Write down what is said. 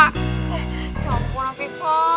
eh ya ampun fifah